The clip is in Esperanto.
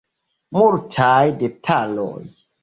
Multaj detaloj.